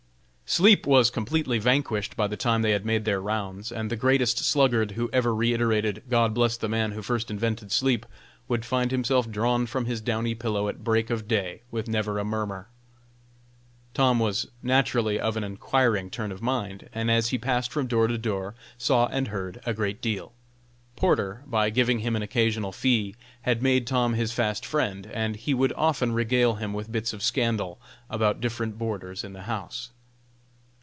Sleep was completely vanquished by the time they had made their rounds, and the greatest sluggard who ever reiterated "God bless the man who first invented sleep," would find himself drawn from his downy pillow at break of day, with never a murmur. Tom was naturally of an enquiring turn of mind, and as he passed from door to door saw and heard a good deal. Porter, by giving him an occasional fee, had made Tom his fast friend, and he would often regale him with bits of scandal about different boarders in the house.